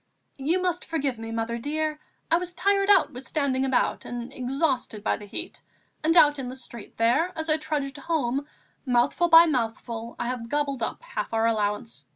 "You must forgive me, mother dear; I was tired out with standing about and exhausted by the heat, and out in the street there as I trudged home, mouthful by mouthful I have gobbled up half of our allowance.